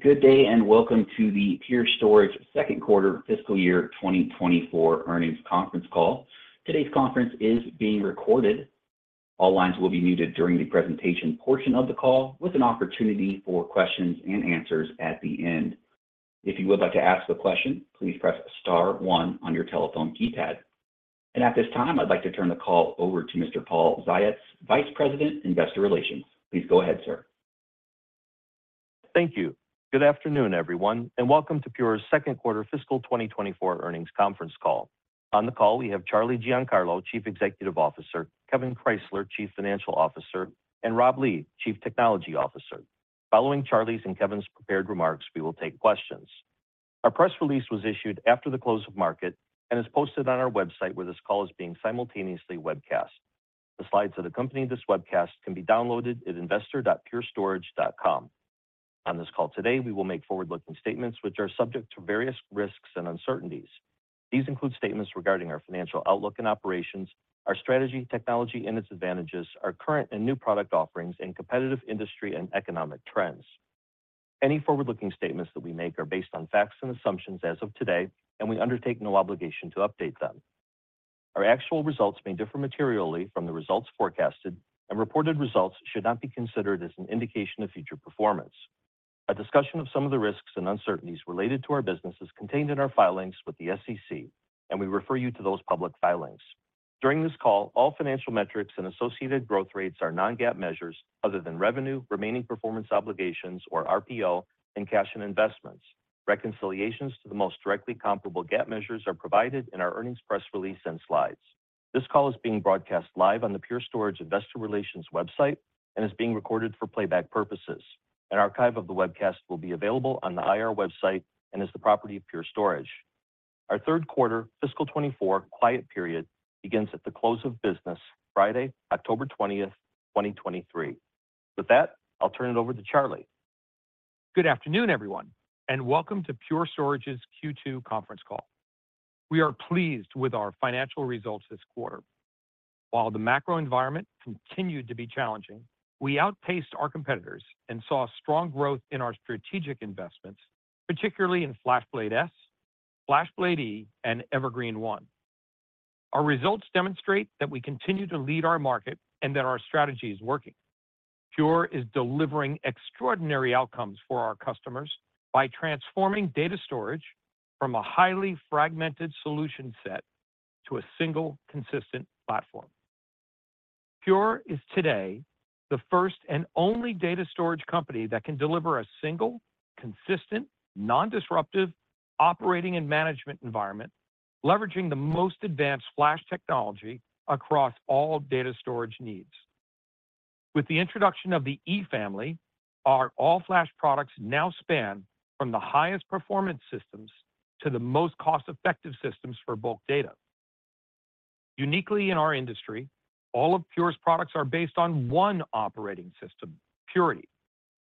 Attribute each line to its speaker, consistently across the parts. Speaker 1: Good day, and welcome to the Pure Storage second quarter fiscal year 2024 earnings conference call. Today's conference is being recorded. All lines will be muted during the presentation portion of the call, with an opportunity for questions and answers at the end. If you would like to ask a question, please press star one on your telephone keypad. At this time, I'd like to turn the call over to Mr. Paul Ziots, Vice President, Investor Relations. Please go ahead, sir.
Speaker 2: Thank you. Good afternoon, everyone, and welcome to Pure's second quarter fiscal 2024 earnings conference call. On the call, we have Charlie Giancarlo, Chief Executive Officer, Kevan Krysler, Chief Financial Officer, and Rob Lee, Chief Technology Officer. Following Charlie's and Kevan's prepared remarks, we will take questions. Our press release was issued after the close of market and is posted on our website, where this call is being simultaneously webcast. The slides that accompany this webcast can be downloaded at investor.purestorage.com. On this call today, we will make forward-looking statements which are subject to various risks and uncertainties. These include statements regarding our financial outlook and operations, our strategy, technology, and its advantages, our current and new product offerings, and competitive industry and economic trends. Any forward-looking statements that we make are based on facts and assumptions as of today, and we undertake no obligation to update them. Our actual results may differ materially from the results forecasted, and reported results should not be considered as an indication of future performance. A discussion of some of the risks and uncertainties related to our business is contained in our filings with the SEC, and we refer you to those public filings. During this call, all financial metrics and associated growth rates are non-GAAP measures other than revenue, remaining performance obligations, or RPO, and cash and investments. Reconciliations to the most directly comparable GAAP measures are provided in our earnings press release and slides. This call is being broadcast live on the Pure Storage Investor Relations website and is being recorded for playback purposes. An archive of the webcast will be available on the IR website and is the property of Pure Storage. Our third quarter fiscal 2024 quiet period begins at the close of business Friday, October 20, 2023. With that, I'll turn it over to Charlie.
Speaker 3: Good afternoon, everyone, and welcome to Pure Storage's Q2 conference call. We are pleased with our financial results this quarter. While the macro environment continued to be challenging, we outpaced our competitors and saw strong growth in our strategic investments, particularly in FlashBlade//S, FlashBlade//E, and Evergreen//One. Our results demonstrate that we continue to lead our market and that our strategy is working. Pure is delivering extraordinary outcomes for our customers by transforming data storage from a highly fragmented solution set to a single, consistent platform. Pure is today the first and only data storage company that can deliver a single, consistent, non-disruptive operating and management environment, leveraging the most advanced flash technology across all data storage needs. With the introduction of E Family, our all-flash products now span from the highest performance systems to the most cost-effective systems for bulk data. Uniquely in our industry, all of Pure's products are based on one operating system, Purity,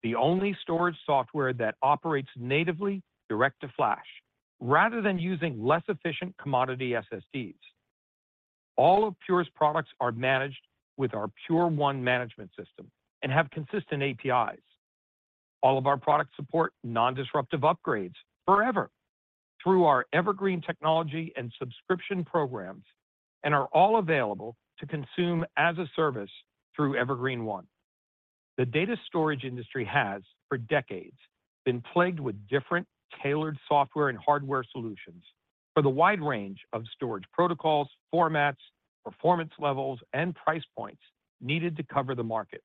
Speaker 3: the only storage software that operates natively direct to flash, rather than using less efficient commodity SSDs. All of Pure's products are managed with our Pure1 management system and have consistent APIs. All of our products support non-disruptive upgrades forever through our Evergreen technology and subscription programs, and are all available to consume as a service through Evergreen//One. The data storage industry has, for decades, been plagued with different tailored software and hardware solutions for the wide range of storage protocols, formats, performance levels, and price points needed to cover the market.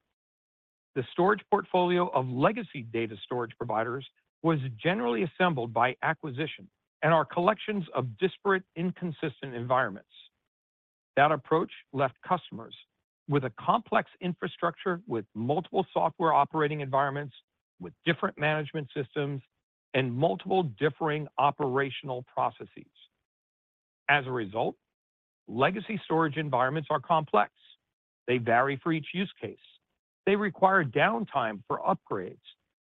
Speaker 3: The storage portfolio of legacy data storage providers was generally assembled by acquisition and are collections of disparate, inconsistent environments. That approach left customers with a complex infrastructure, with multiple software operating environments, with different management systems, and multiple differing operational processes. As a result, legacy storage environments are complex. They vary for each use case. They require downtime for upgrades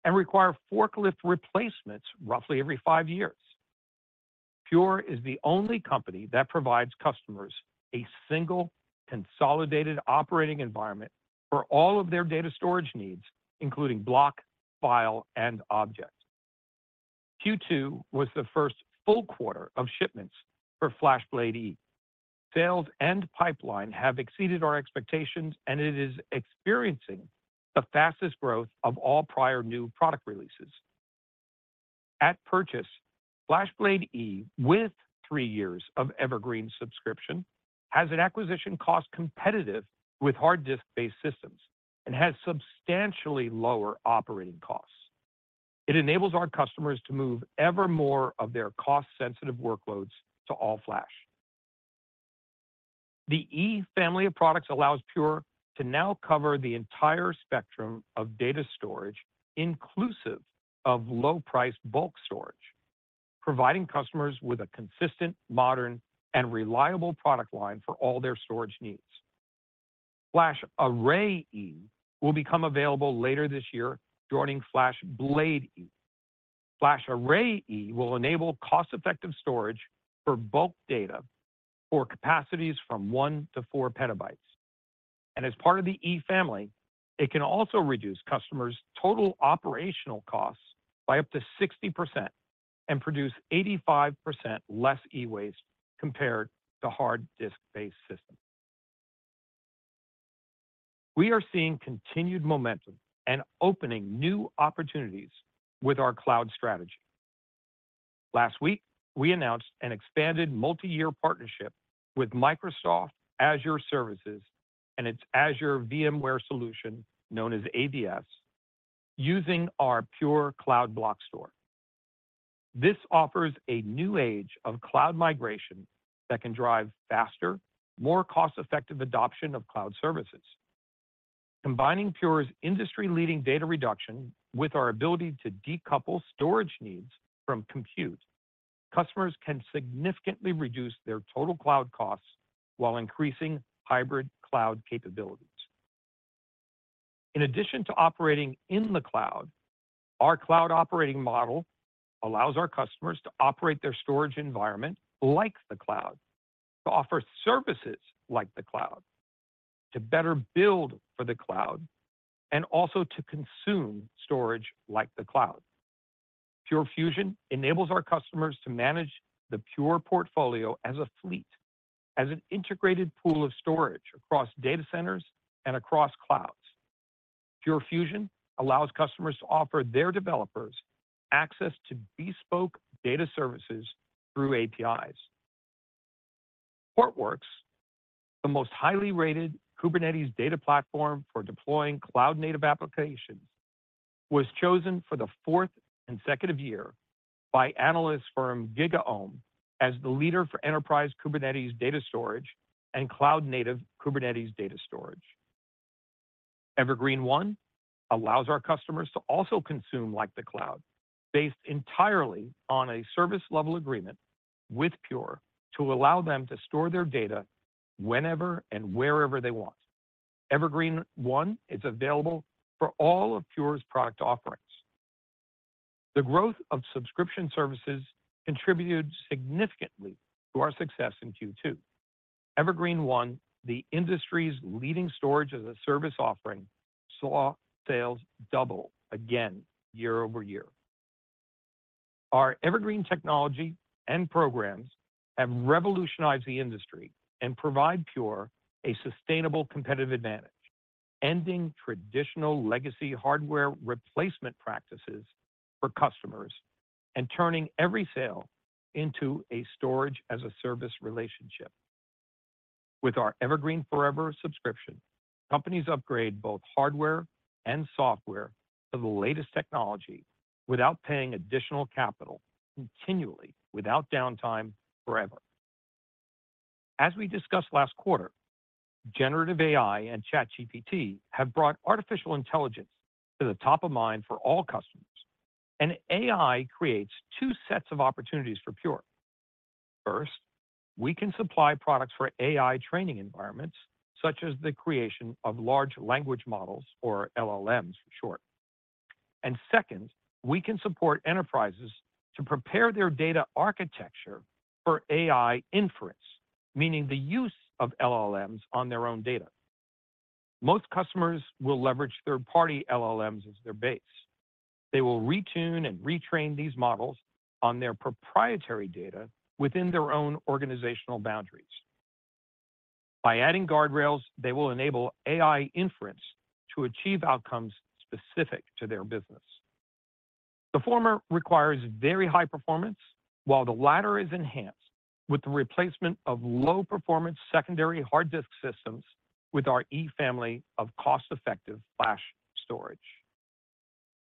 Speaker 3: and require forklift replacements roughly every five years. Pure is the only company that provides customers a single, consolidated operating environment for all of their data storage needs, including block, file, and object. Q2 was the first full quarter of shipments for FlashBlade//E. Sales and pipeline have exceeded our expectations, and it is experiencing the fastest growth of all prior new product releases. At purchase, FlashBlade//E, with three years of Evergreen subscription, has an acquisition cost competitive with hard disk-based systems and has substantially lower operating costs. It enables our customers to move ever more of their cost-sensitive workloads to all-flash. The E Family of products allows Pure to now cover the entire spectrum of data storage, inclusive of low-price bulk storage, providing customers with a consistent, modern, and reliable product line for all their storage needs. FlashArray//E will become available later this year, joining FlashBlade//E. FlashArray//E will enable cost-effective storage for bulk data for capacities from 1-4 PB. As part of the E Family, it can also reduce customers' total operational costs by up to 60% and produce 85% less e-waste compared to hard disk-based systems. We are seeing continued momentum and opening new opportunities with our cloud strategy. Last week, we announced an expanded multi-year partnership with Microsoft Azure Services and its Azure VMware Solution, known as AVS, using our Pure Cloud Block Store. This offers a new age of cloud migration that can drive faster, more cost-effective adoption of cloud services. Combining Pure's industry-leading data reduction with our ability to decouple storage needs from compute, customers can significantly reduce their total cloud costs while increasing hybrid cloud capabilities. In addition to operating in the cloud, our cloud operating model allows our customers to operate their storage environment like the cloud, to offer services like the cloud, to better build for the cloud, and also to consume storage like the cloud. Pure Fusion enables our customers to manage the Pure portfolio as a fleet, as an integrated pool of storage across data centers and across clouds. Pure Fusion allows customers to offer their developers access to bespoke data services through APIs. Portworx, the most highly rated Kubernetes data platform for deploying cloud-native applications, was chosen for the fourth consecutive year by analyst firm GigaOm as the leader for enterprise Kubernetes data storage and cloud-native Kubernetes data storage. Evergreen//One allows our customers to also consume like the cloud, based entirely on a service level agreement with Pure, to allow them to store their data whenever and wherever they want. Evergreen//One is available for all of Pure's product offerings. The growth of subscription services contributed significantly to our success in Q2. Evergreen//One, the industry's leading storage-as-a-service offering, saw sales double again year-over-year. Our Evergreen technology and programs have revolutionized the industry and provide Pure a sustainable competitive advantage, ending traditional legacy hardware replacement practices for customers and turning every sale into a storage-as-a-service relationship. With our Evergreen//Forever subscription, companies upgrade both hardware and software to the latest technology without paying additional capital, continually, without downtime, forever. As we discussed last quarter, generative AI and ChatGPT have brought artificial intelligence to the top of mind for all customers, and AI creates two sets of opportunities for Pure. First, we can supply products for AI training environments, such as the creation of large language models, or LLMs for short. And second, we can support enterprises to prepare their data architecture for AI inference, meaning the use of LLMs on their own data. Most customers will leverage third-party LLMs as their base. They will retune and retrain these models on their proprietary data within their own organizational boundaries. By adding guardrails, they will enable AI inference to achieve outcomes specific to their business. The former requires very high performance, while the latter is enhanced with the replacement of low-performance secondary hard disk systems with E Family of cost-effective flash storage.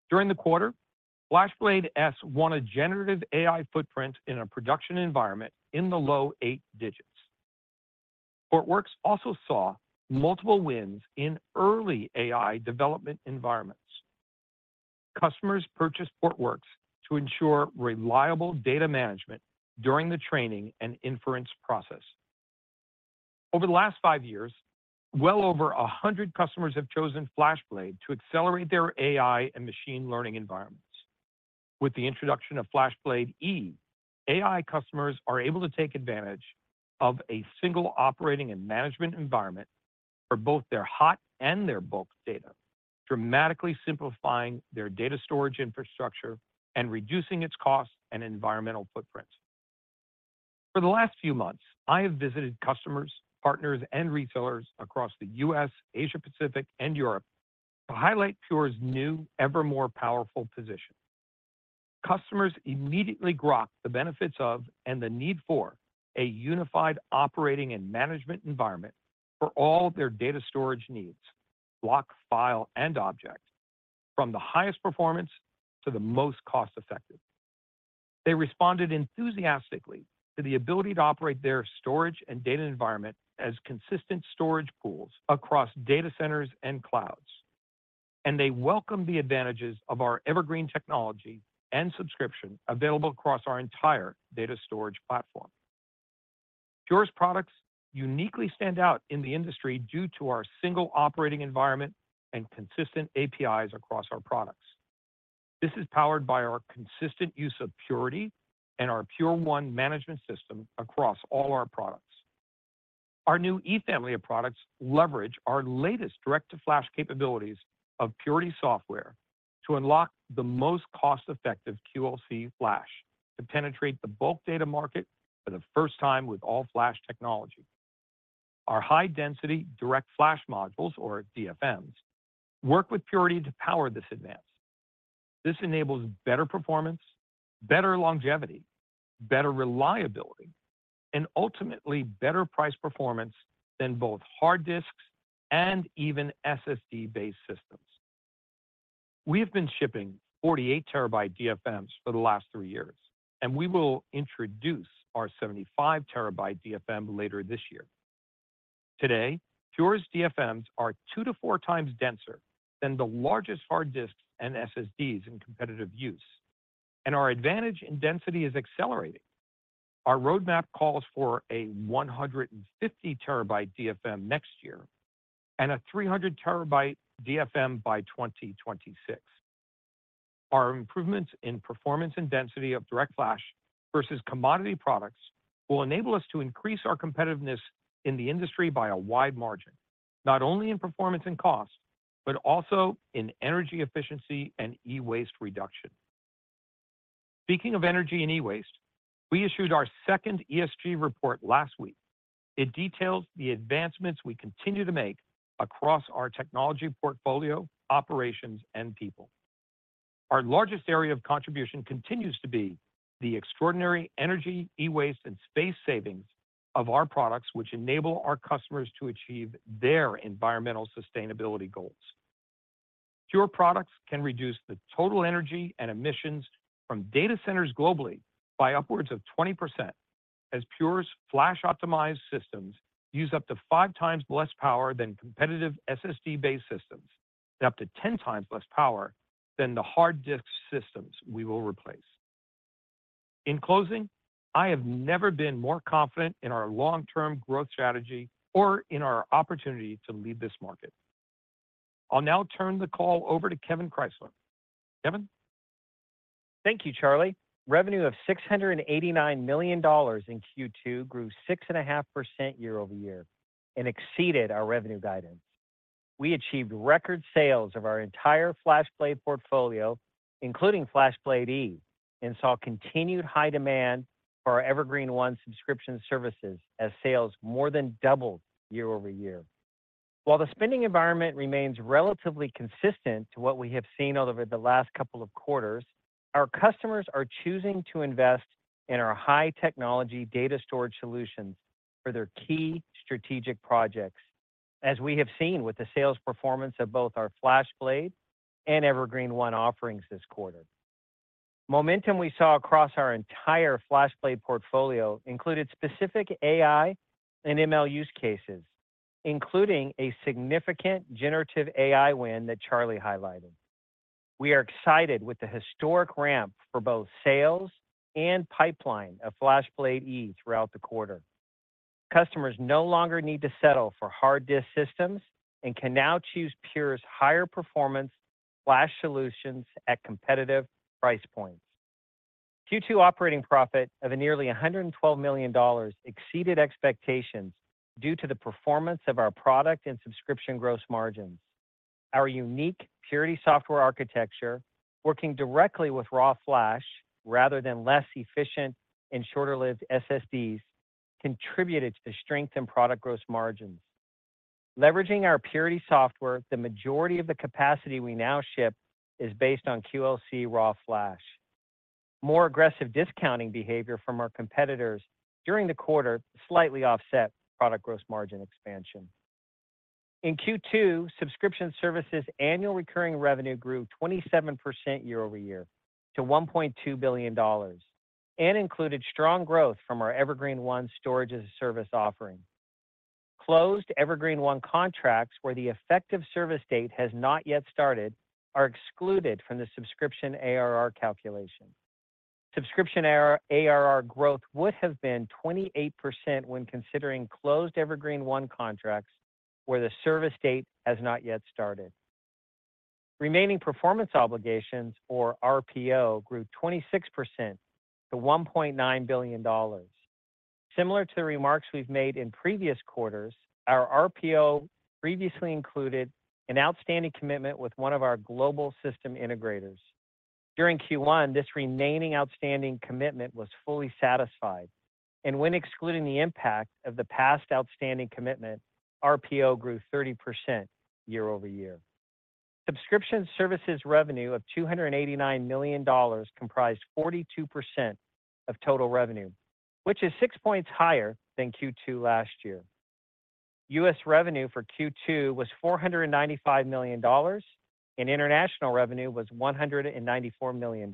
Speaker 3: During the quarter, FlashBlade//S won a generative AI footprint in a production environment in the low eight digits. Portworx also saw multiple wins in early AI development environments. Customers purchased Portworx to ensure reliable data management during the training and inference process. Over the last five years, well over 100 customers have chosen FlashBlade to accelerate their AI and machine learning environments. With the introduction of FlashBlade//E, AI customers are able to take advantage of a single operating and management environment for both their hot and their bulk data, dramatically simplifying their data storage infrastructure and reducing its cost and environmental footprint. For the last few months, I have visited customers, partners, and retailers across the U.S., Asia-Pacific, and Europe to highlight Pure's new, ever more powerful position. Customers immediately grok the benefits of, and the need for, a unified operating and management environment for all their data storage needs, block, file, and object, from the highest performance to the most cost-effective. They responded enthusiastically to the ability to operate their storage and data environment as consistent storage pools across data centers and clouds, and they welcomed the advantages of our Evergreen technology and subscription available across our entire data storage platform.... Pure's products uniquely stand out in the industry due to our single operating environment and consistent APIs across our products. This is powered by our consistent use of Purity and our Pure1 management system across all our products. Our new E Family of products leverage our latest direct to flash capabilities of Purity software to unlock the most cost-effective QLC flash, to penetrate the bulk data market for the first time with all-flash technology. Our high-density DirectFlash Modules, or DFMs, work with Purity to power this advance. This enables better performance, better longevity, better reliability, and ultimately, better price performance than both hard disks and even SSD-based systems. We have been shipping 48 TB DFMs for the last three years, and we will introduce our 75 TB DFM later this year. Today, Pure's DFMs are 2x-4x denser than the largest hard disks and SSDs in competitive use, and our advantage in density is accelerating. Our roadmap calls for a 150 TB DFM next year, and a 300 TB DFM by 2026. Our improvements in performance and density of DirectFlash versus commodity products will enable us to increase our competitiveness in the industry by a wide margin, not only in performance and cost, but also in energy efficiency and e-waste reduction. Speaking of energy and e-waste, we issued our second ESG report last week. It details the advancements we continue to make across our technology portfolio, operations, and people. Our largest area of contribution continues to be the extraordinary energy, e-waste, and space savings of our products, which enable our customers to achieve their environmental sustainability goals. Pure products can reduce the total energy and emissions from data centers globally by upwards of 20%, as Pure's flash-optimized systems use up to 5x less power than competitive SSD-based systems, and up to 10x less power than the hard disk systems we will replace. In closing, I have never been more confident in our long-term growth strategy or in our opportunity to lead this market. I'll now turn the call over to Kevan Krysler. Kevan?
Speaker 4: Thank you, Charlie. Revenue of $689 million in Q2 grew 6.5% year-over-year and exceeded our revenue guidance. We achieved record sales of our entire FlashBlade portfolio, including FlashBlade//E, and saw continued high demand for our Evergreen//One subscription services as sales more than doubled year-over-year. While the spending environment remains relatively consistent to what we have seen over the last couple of quarters, our customers are choosing to invest in our high-technology data storage solutions for their key strategic projects, as we have seen with the sales performance of both our FlashBlade and Evergreen//One offerings this quarter. Momentum we saw across our entire FlashBlade portfolio included specific AI and ML use cases, including a significant generative AI win that Charlie highlighted. We are excited with the historic ramp for both sales and pipeline of FlashBlade//E throughout the quarter. Customers no longer need to settle for hard disk systems and can now choose Pure's higher performance flash solutions at competitive price points. Q2 operating profit of nearly $112 million exceeded expectations due to the performance of our product and subscription gross margins. Our unique Purity software architecture, working directly with raw flash rather than less efficient and shorter-lived SSDs, contributed to the strength in product gross margins. Leveraging our Purity software, the majority of the capacity we now ship is based on QLC raw flash. More aggressive discounting behavior from our competitors during the quarter slightly offset product gross margin expansion. In Q2, subscription services annual recurring revenue grew 27% year-over-year to $1.2 billion and included strong growth from our Evergreen//One storage as a service offering. Closed Evergreen//One contracts, where the effective service date has not yet started, are excluded from the subscription ARR calculation. Subscription ARR, ARR growth would have been 28% when considering closed Evergreen//One contracts, where the service date has not yet started. Remaining performance obligations, or RPO, grew 26% to $1.9 billion. Similar to the remarks we've made in previous quarters, our RPO previously included an outstanding commitment with one of our global system integrators. During Q1, this remaining outstanding commitment was fully satisfied, and when excluding the impact of the past outstanding commitment, RPO grew 30% year-over-year. Subscription services revenue of $289 million comprised 42% of total revenue, which is six points higher than Q2 last year. U.S. revenue for Q2 was $495 million, and international revenue was $194 million.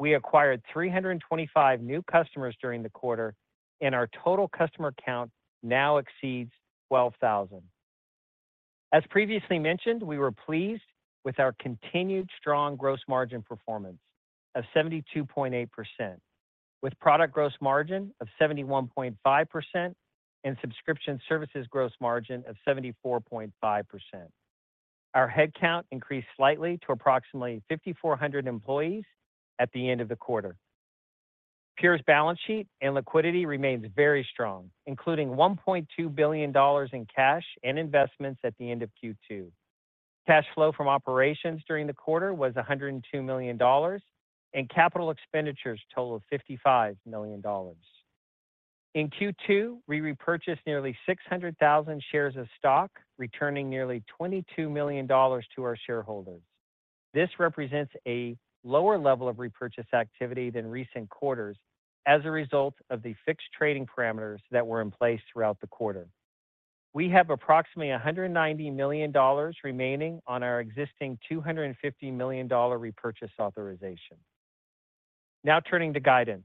Speaker 4: We acquired 325 new customers during the quarter, and our total customer count now exceeds 12,000.... As previously mentioned, we were pleased with our continued strong gross margin performance of 72.8%, with product gross margin of 71.5% and subscription services gross margin of 74.5%. Our headcount increased slightly to approximately 5,400 employees at the end of the quarter. Pure's balance sheet and liquidity remains very strong, including $1.2 billion in cash and investments at the end of Q2. Cash flow from operations during the quarter was $102 million, and capital expenditures total of $55 million. In Q2, we repurchased nearly 600,000 shares of stock, returning nearly $22 million to our shareholders. This represents a lower level of repurchase activity than recent quarters as a result of the fixed trading parameters that were in place throughout the quarter. We have approximately $190 million remaining on our existing $250 million repurchase authorization. Now, turning to guidance.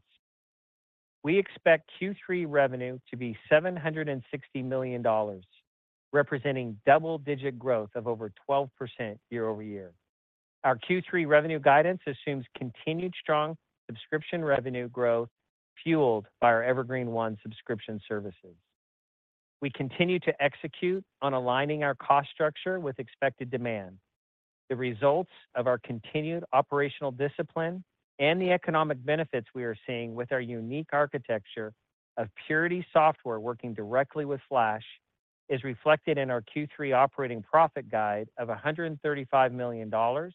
Speaker 4: We expect Q3 revenue to be $760 million, representing double-digit growth of over 12% year-over-year. Our Q3 revenue guidance assumes continued strong subscription revenue growth, fueled by our Evergreen//One subscription services. We continue to execute on aligning our cost structure with expected demand. The results of our continued operational discipline and the economic benefits we are seeing with our unique architecture of Purity software, working directly with flash, is reflected in our Q3 operating profit guide of $135 million or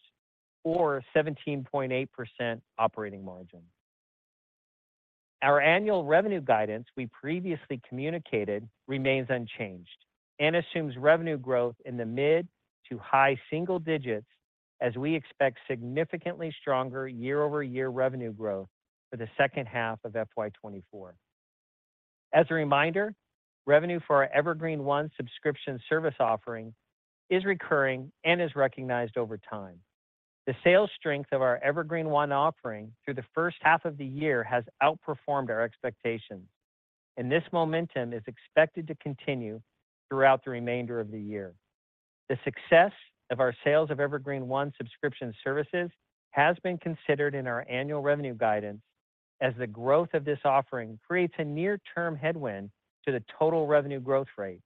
Speaker 4: 17.8% operating margin. Our annual revenue guidance we previously communicated remains unchanged and assumes revenue growth in the mid to high-single digits, as we expect significantly stronger year-over-year revenue growth for the second half of FY 2024. As a reminder, revenue for our Evergreen//One subscription service offering is recurring and is recognized over time. The sales strength of our Evergreen//One offering through the first half of the year has outperformed our expectations, and this momentum is expected to continue throughout the remainder of the year. The success of our sales of Evergreen//One subscription services has been considered in our annual revenue guidance, as the growth of this offering creates a near-term headwind to the total revenue growth rate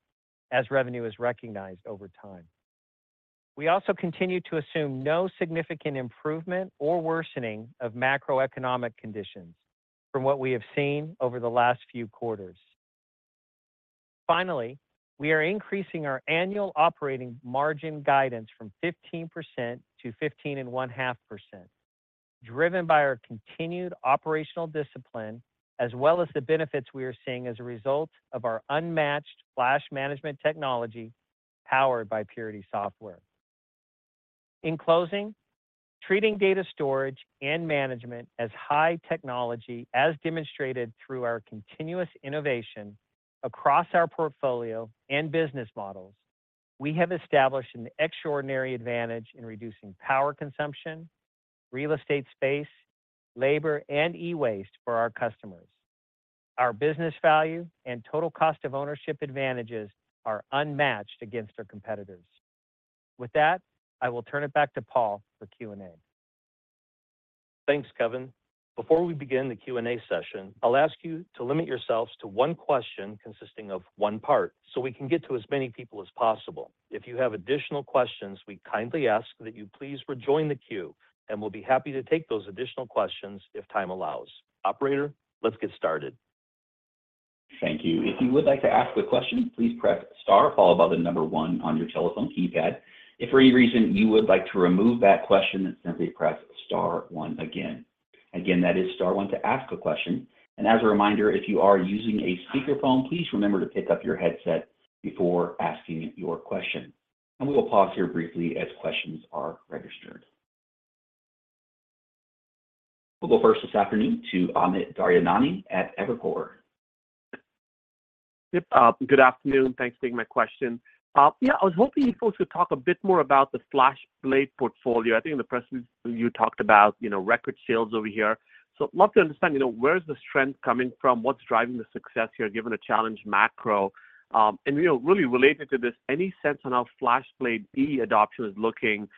Speaker 4: as revenue is recognized over time. We also continue to assume no significant improvement or worsening of macroeconomic conditions from what we have seen over the last few quarters. Finally, we are increasing our annual operating margin guidance from 15% to 15.5%, driven by our continued operational discipline, as well as the benefits we are seeing as a result of our unmatched flash management technology, powered by Purity software. In closing, treating data storage and management as high technology, as demonstrated through our continuous innovation across our portfolio and business models, we have established an extraordinary advantage in reducing power consumption, real estate space, labor, and e-waste for our customers. Our business value and total cost of ownership advantages are unmatched against our competitors. With that, I will turn it back to Paul for Q&A.
Speaker 2: Thanks, Kevan. Before we begin the Q&A session, I'll ask you to limit yourselves to one question consisting of one part, so we can get to as many people as possible. If you have additional questions, we kindly ask that you please rejoin the queue, and we'll be happy to take those additional questions if time allows. Operator, let's get started.
Speaker 1: Thank you. If you would like to ask a question, please press star followed by the number one on your telephone keypad. If for any reason you would like to remove that question, simply press star one again. Again, that is star one to ask a question, and as a reminder, if you are using a speakerphone, please remember to pick up your headset before asking your question. We will pause here briefly as questions are registered. We'll go first this afternoon to Amit Daryanani at Evercore.
Speaker 5: Yep. Good afternoon. Thanks for taking my question. Yeah, I was hoping you folks could talk a bit more about the FlashBlade portfolio. I think in the press, you talked about, you know, record sales over here. So love to understand, you know, where's the strength coming from? What's driving the success here, given the challenged macro? And, you know, really related to this, any sense on how FlashBlade//E adoption is looking,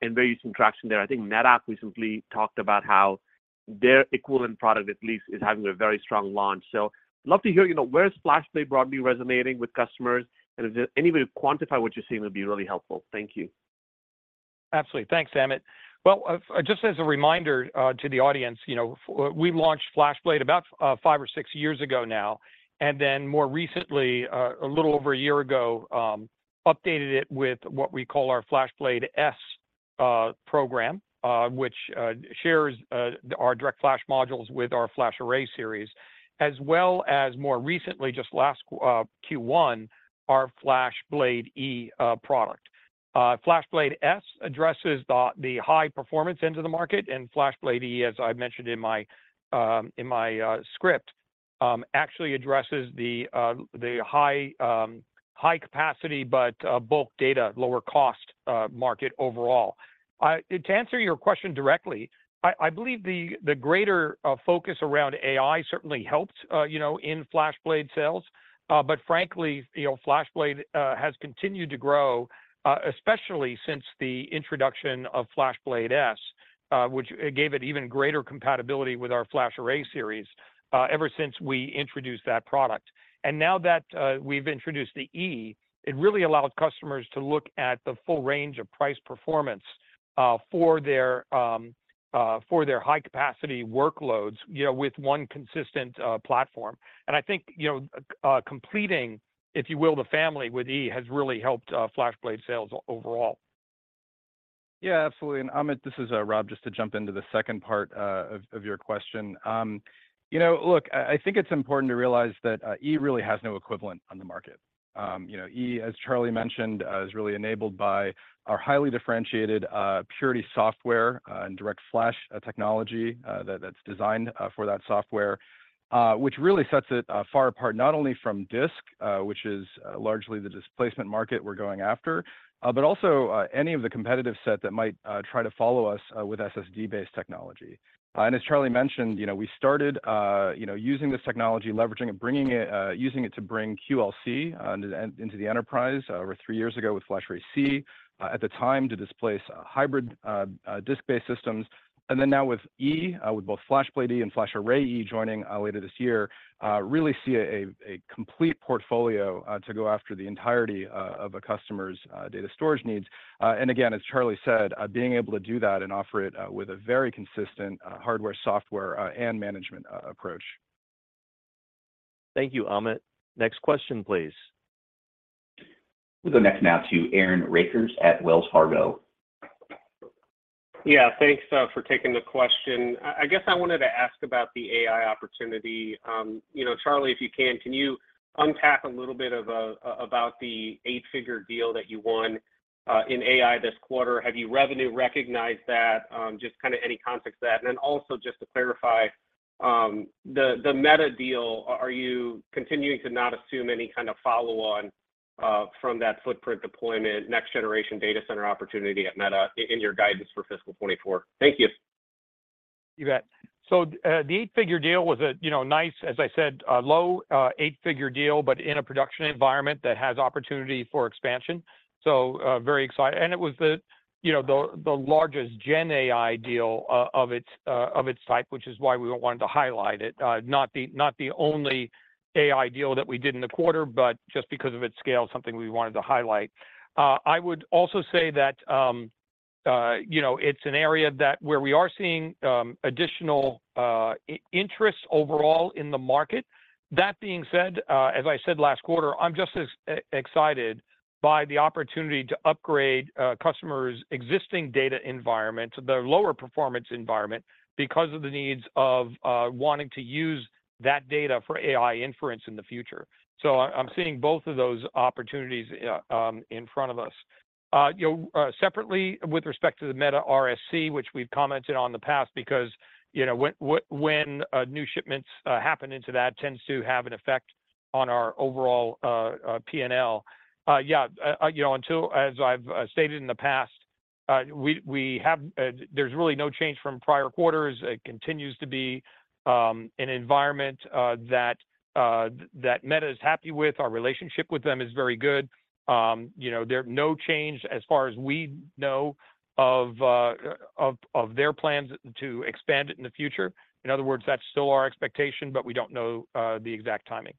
Speaker 5: and where you see traction there? I think NetApp recently talked about how their equivalent product, at least, is having a very strong launch. So love to hear, you know, where is FlashBlade broadly resonating with customers? And if there-- anybody quantify what you're seeing would be really helpful. Thank you.
Speaker 3: Absolutely. Thanks, Amit. Well, just as a reminder, to the audience, you know, we launched FlashBlade about five or six years ago now, and then more recently, a little over a year ago, updated it with what we call our FlashBlade//S program, which shares our DirectFlash modules with our FlashArray series, as well as more recently, just last Q1, our FlashBlade//E product. FlashBlade//S addresses the high-performance end of the market, and FlashBlade//E, as I mentioned in my script, actually addresses the high capacity, but bulk data, lower cost market overall. To answer your question directly, I believe the greater focus around AI certainly helped, you know, in FlashBlade sales. But frankly, you know, FlashBlade has continued to grow, especially since the introduction of FlashBlade//S, which gave it even greater compatibility with our FlashArray series, ever since we introduced that product. And now that we've introduced the E, it really allows customers to look at the full range of price performance for their high capacity workloads, you know, with one consistent platform. And I think, you know, completing, if you will, the family with E has really helped FlashBlade sales overall.
Speaker 6: Yeah, absolutely. And Amit, this is Rob, just to jump into the second part of your question. You know, look, I think it's important to realize that E really has no equivalent on the market. You know, E, as Charlie mentioned, is really enabled by our highly differentiated Purity software and DirectFlash technology that's designed for that software, which really sets it far apart, not only from disk, which is largely the displacement market we're going after, but also any of the competitive set that might try to follow us with SSD-based technology. And as Charlie mentioned, you know, we started using this technology, leveraging it, bringing it, using it to bring QLC into the enterprise over three years ago with FlashArray//C at the time, to displace hybrid disk-based systems. And then now with E, with both FlashBlade//E and FlashArray//E joining later this year, really see a complete portfolio to go after the entirety of a customer's data storage needs. And again, as Charlie said, being able to do that and offer it with a very consistent hardware, software, and management approach.
Speaker 2: Thank you, Amit. Next question, please.
Speaker 1: We'll go next now to Aaron Rakers at Wells Fargo.
Speaker 7: Yeah, thanks, for taking the question. I guess I wanted to ask about the AI opportunity. You know, Charlie, if you can, can you unpack a little bit of, about the eight-figure deal that you won, in AI this quarter? Have you revenue recognized that? Just kinda any context to that. And then also just to clarify, the, the Meta deal, are you continuing to not assume any kind of follow-on, from that footprint deployment, next generation data center opportunity at Meta in your guidance for fiscal 2024? Thank you.
Speaker 3: You bet. So, the eight-figure deal was a, you know, nice, as I said, low, eight-figure deal, but in a production environment that has opportunity for expansion. So, very exciting. And it was the, you know, the, the largest GenAI deal of its, of its type, which is why we wanted to highlight it. Not the, not the only AI deal that we did in the quarter, but just because of its scale, something we wanted to highlight. I would also say that, you know, it's an area that where we are seeing, additional, interest overall in the market. That being said, as I said last quarter, I'm just as excited by the opportunity to upgrade customers' existing data environment, their lower performance environment, because of the needs of wanting to use that data for AI inference in the future. So I'm seeing both of those opportunities in front of us. You know, separately, with respect to the Meta RSC, which we've commented on in the past, because, you know, when new shipments happen into that, tends to have an effect on our overall P&L. You know, until, as I've stated in the past, we have, there's really no change from prior quarters. It continues to be an environment that Meta is happy with. Our relationship with them is very good. You know, there's no change as far as we know, of their plans to expand it in the future. In other words, that's still our expectation, but we don't know the exact timing.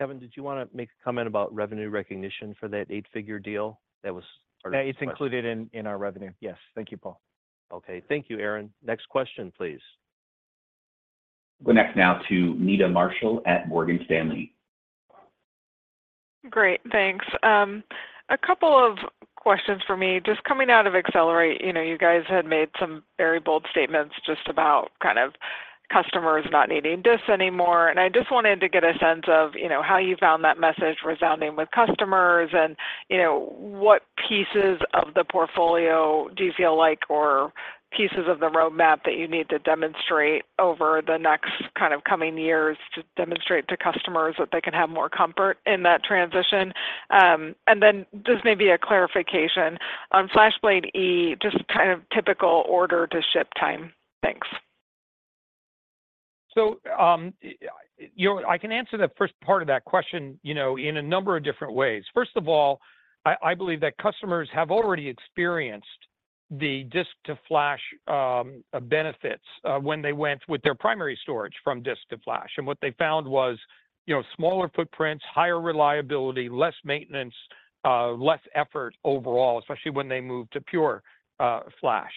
Speaker 2: Kevan, did you want to make a comment about revenue recognition for that eight-figure deal that was?
Speaker 4: Yeah, it's included in our revenue. Yes, thank you, Paul.
Speaker 2: Okay. Thank you, Aaron. Next question, please.
Speaker 1: Go next now to Meta Marshall at Morgan Stanley.
Speaker 8: Great, thanks. A couple of questions for me. Just coming out of Accelerate, you know, you guys had made some very bold statements just about kind of customers not needing this anymore, and I just wanted to get a sense of, you know, how you found that message resounding with customers. And, you know, what pieces of the portfolio do you feel like or pieces of the roadmap that you need to demonstrate over the next kind of coming years to demonstrate to customers that they can have more comfort in that transition? And then this may be a clarification. On FlashBlade//E, just kind of typical order-to-ship time. Thanks.
Speaker 3: So, you know, I can answer the first part of that question, you know, in a number of different ways. First of all, I believe that customers have already experienced the disk-to-flash benefits when they went with their primary storage from disk to flash. And what they found was, you know, smaller footprints, higher reliability, less maintenance, less effort overall, especially when they moved to Pure flash.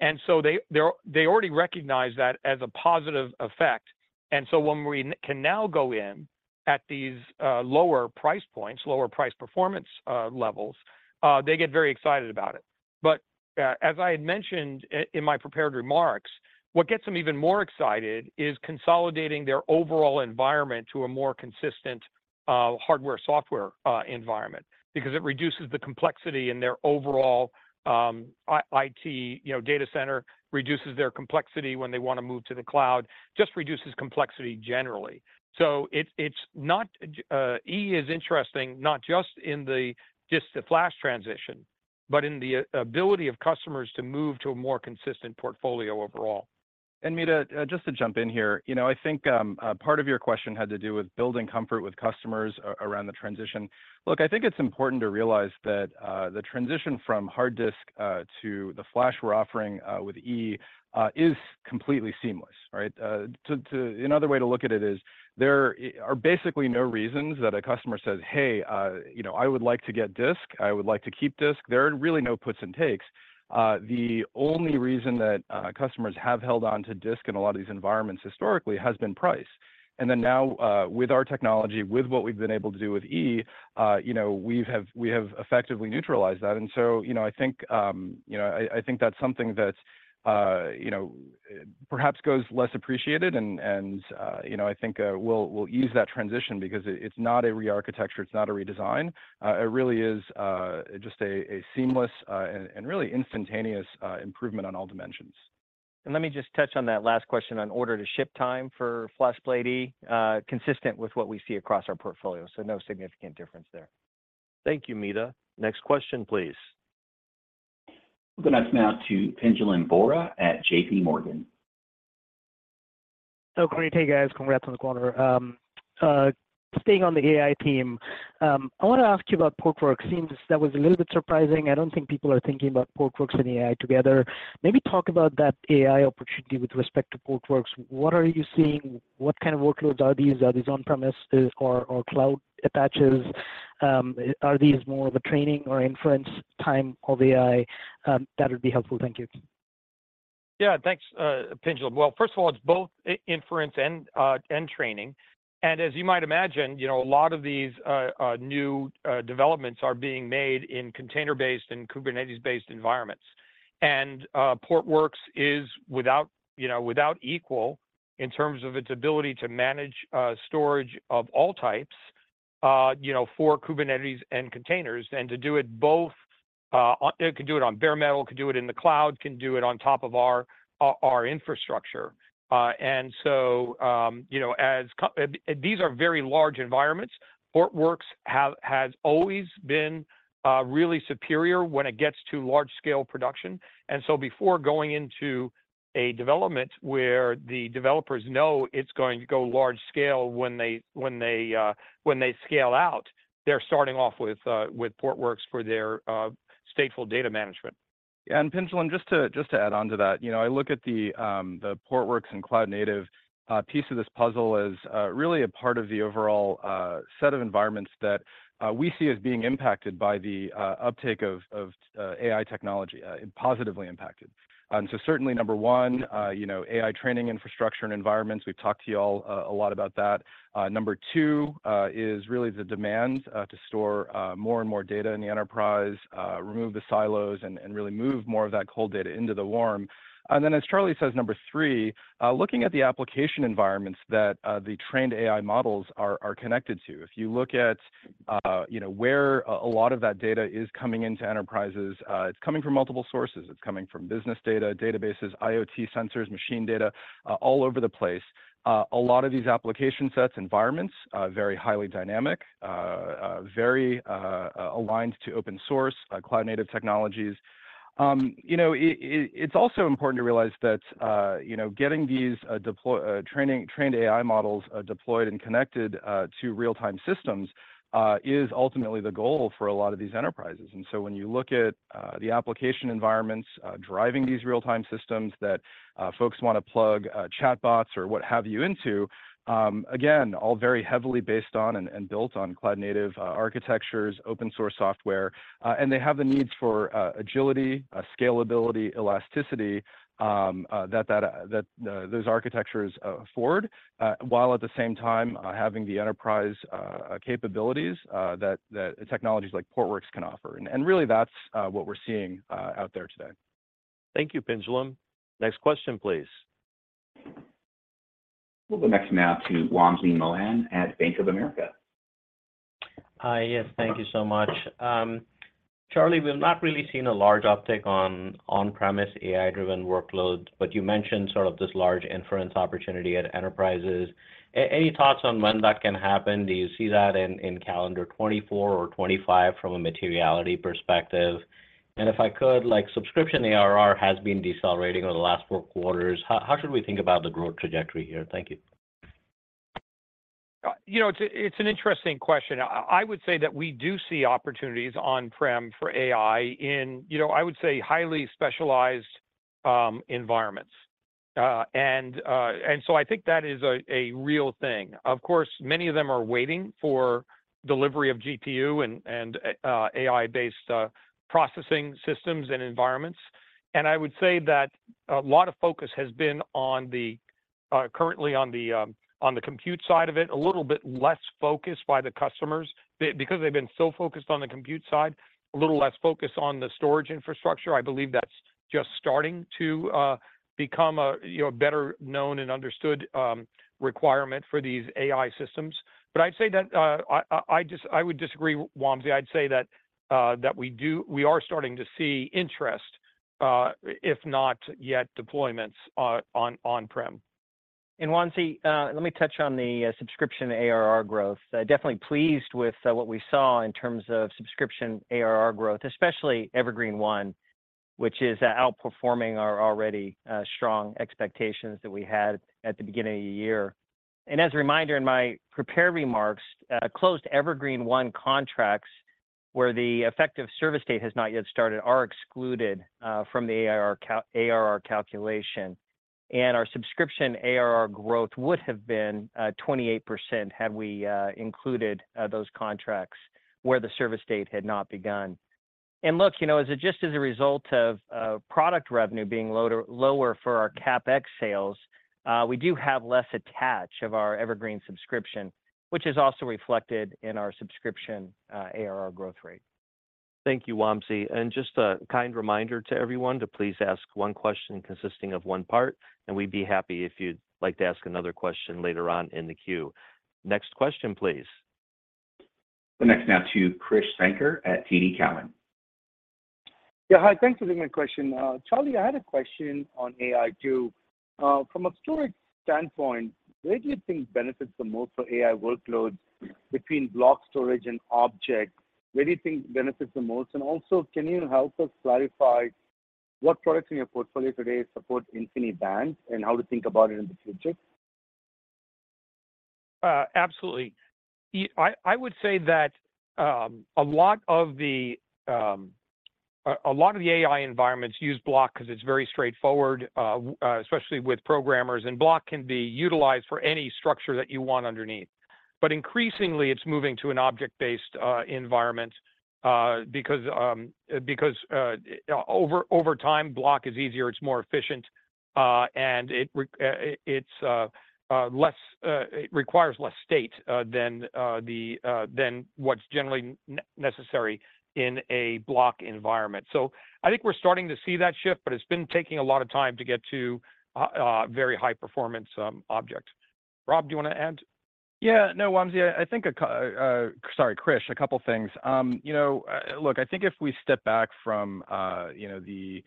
Speaker 3: And so they already recognize that as a positive effect. And so when we now can go in at these lower price points, lower price performance levels, they get very excited about it. But as I had mentioned in my prepared remarks... What gets them even more excited is consolidating their overall environment to a more consistent, hardware, software, environment, because it reduces the complexity in their overall, IT, you know, data center, reduces their complexity when they want to move to the cloud. Just reduces complexity generally. So it's not, E is interesting, not just in the disk-to-flash transition, but in the ability of customers to move to a more consistent portfolio overall.
Speaker 6: And Meta, just to jump in here, you know, I think, part of your question had to do with building comfort with customers around the transition. Look, I think it's important to realize that, the transition from hard disk to the flash we're offering with E is completely seamless, right? Another way to look at it is there are basically no reasons that a customer says, "Hey, you know, I would like to get disk. I would like to keep disk." There are really no puts and takes. The only reason that customers have held on to disk in a lot of these environments historically has been price. And then now, with our technology, with what we've been able to do with E, you know, we have effectively neutralized that. And so, you know, I think you know, I think that's something that you know, perhaps goes less appreciated. And you know, I think we'll ease that transition because it's not a rearchitecture, it's not a redesign. It really is just a seamless and really instantaneous improvement on all dimensions.
Speaker 4: Let me just touch on that last question on order-to-ship time for FlashBlade//E, consistent with what we see across our portfolio, so no significant difference there.
Speaker 2: Thank you, Meta. Next question, please.
Speaker 1: The next now to Pinjalim Bora at JPMorgan.
Speaker 9: So good day, guys. Congrats on the quarter. Staying on the AI team, I want to ask you about Portworx. Seems that was a little bit surprising. I don't think people are thinking about Portworx and AI together. Maybe talk about that AI opportunity with respect to Portworx. What are you seeing? What kind of workloads are these? Are these on-premises or, or cloud attaches? Are these more of a training or inference time of AI? That would be helpful. Thank you.
Speaker 3: Yeah, thanks, Pinjalim. Well, first of all, it's both inference and training. And as you might imagine, you know, a lot of these new developments are being made in container-based and Kubernetes-based environments. And Portworx is without, you know, without equal in terms of its ability to manage storage of all types, you know, for Kubernetes and containers, and to do it both on... It can do it on bare metal, it can do it in the cloud, it can do it on top of our infrastructure. And so, you know, as these are very large environments. Portworx has always been really superior when it gets to large-scale production. Before going into a development where the developers know it's going to go large-scale when they scale out, they're starting off with Portworx for their stateful data management.
Speaker 4: And Pinjalim, just to add on to that, you know, I look at the Portworx and cloud native piece of this puzzle as really a part of the overall set of environments that we see as being impacted by the uptake of AI technology and positively impacted. And so certainly number one, you know, AI training, infrastructure, and environments, we've talked to you all a lot about that. Number two is really the demand to store more and more data in the enterprise, remove the silos, and really move more of that cold data into the warm. And then, as Charlie says, number three, looking at the application environments that the trained AI models are connected to. If you look at, you know, where a lot of that data is coming into enterprises, it's coming from multiple sources. It's coming from business data, databases, IoT sensors, machine data, all over the place. A lot of these application sets, environments, are very highly dynamic, very aligned to open-source, cloud native technologies. You know, it's also important to realize that, you know, getting these trained AI models deployed and connected to real-time systems is ultimately the goal for a lot of these enterprises. And so when you look at the application environments driving these real-time systems that folks want to plug chatbots or what have you into, again, all very heavily based on and built on cloud native architectures, open-source software. And they have the needs for agility, scalability, elasticity that those architectures afford while at the same time having the enterprise capabilities that technologies like Portworx can offer. And really, that's what we're seeing out there today.
Speaker 2: Thank you, Pinjalim. Next question, please.
Speaker 1: The next now to Wamsi Mohan at Bank of America.
Speaker 10: Hi, yes. Thank you so much. Charlie, we've not really seen a large uptick on on-premise AI-driven workloads, but you mentioned sort of this large inference opportunity at enterprises. Any thoughts on when that can happen? Do you see that in calendar 2024 or 2025 from a materiality perspective? And if I could, like, subscription ARR has been decelerating over the last four quarters. How should we think about the growth trajectory here? Thank you.
Speaker 3: You know, it's an interesting question. I would say that we do see opportunities on-prem for AI in, you know, I would say, highly specialized environments. And so I think that is a real thing. Of course, many of them are waiting for delivery of GPU and AI-based processing systems and environments. And I would say that a lot of focus has been on the- currently on the compute side of it, a little bit less focused by the customers. Because they've been so focused on the compute side, a little less focus on the storage infrastructure. I believe that's just starting to become a, you know, a better-known and understood requirement for these AI systems. But I'd say that I just would disagree, Wamsi. I'd say that we are starting to see interest, if not yet deployments, on, on-prem.
Speaker 4: Wamsi, let me touch on the subscription ARR growth. Definitely pleased with what we saw in terms of subscription ARR growth, especially Evergreen//One, which is outperforming our already strong expectations that we had at the beginning of the year. As a reminder, in my prepared remarks, closed Evergreen//One contracts where the effective service date has not yet started, are excluded from the ARR calculation. Our subscription ARR growth would have been 28% had we included those contracts where the service date had not begun. Look, you know, as a result of product revenue being lower for our CapEx sales, we do have less attach of our Evergreen subscription, which is also reflected in our subscription ARR growth rate.
Speaker 2: Thank you, Wamsi. Just a kind reminder to everyone to please ask one question consisting of one part, and we'd be happy if you'd like to ask another question later on in the queue. Next question, please.
Speaker 1: The next now to Krish Sankar at TD Cowen.
Speaker 11: Yeah, hi. Thanks for taking my question. Charlie, I had a question on AI, too. From a storage standpoint, where do you think benefits the most for AI workloads between block storage and object? Where do you think benefits the most? And also, can you help us clarify what products in your portfolio today support InfiniBand, and how to think about it in the future?
Speaker 3: Absolutely. I would say that a lot of the AI environments use block 'cause it's very straightforward, especially with programmers, and block can be utilized for any structure that you want underneath. But increasingly, it's moving to an object-based environment because over time, block is easier, it's more efficient, and it requires less state than what's generally necessary in a block environment. So I think we're starting to see that shift, but it's been taking a lot of time to get to a very high-performance object. Rob, do you want to add?
Speaker 6: Yeah. No, Wamsi, I think, sorry, Krish, a couple things. You know, look, I think if we step back from, you know, the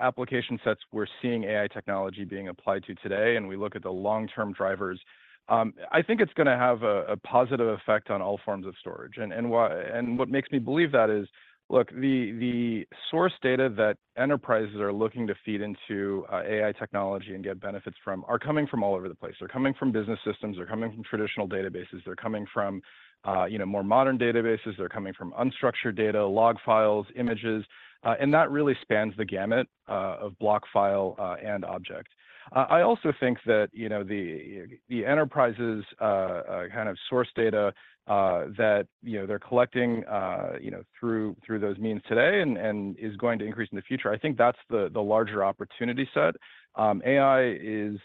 Speaker 6: application sets we're seeing AI technology being applied to today, and we look at the long-term drivers, I think it's going to have a positive effect on all forms of storage. And what makes me believe that is, look, the source data that enterprises are looking to feed into AI technology and get benefits from are coming from all over the place. They're coming from business systems, they're coming from traditional databases, they're coming from, you know, more modern databases. They're coming from unstructured data, log files, images, and that really spans the gamut of block, file, and object. I also think that, you know, the enterprise's kind of source data that, you know, they're collecting, you know, through those means today and is going to increase in the future. I think that's the larger opportunity set. AI is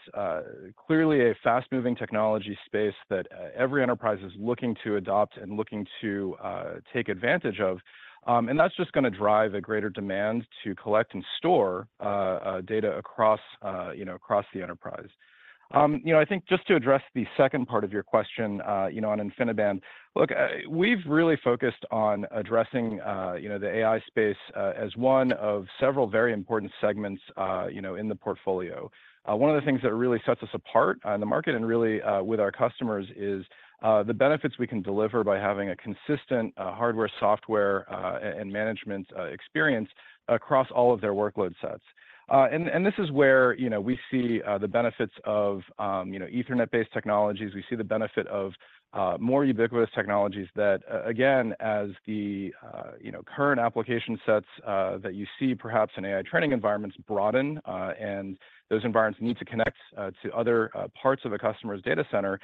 Speaker 6: clearly a fast-moving technology space that every enterprise is looking to adopt and looking to take advantage of. And that's just going to drive a greater demand to collect and store data across, you know, across the enterprise. You know, I think just to address the second part of your question, you know, on InfiniBand, look, we've really focused on addressing, you know, the AI space as one of several very important segments, you know, in the portfolio. One of the things that really sets us apart in the market and really with our customers is the benefits we can deliver by having a consistent hardware, software, and management experience across all of their workload sets. And this is where, you know, we see the benefits of, you know, Ethernet-based technologies. We see the benefit of more ubiquitous technologies that again, as the, you know, current application sets that you see perhaps in AI training environments broaden, and those environments need to connect to other parts of a customer's data center,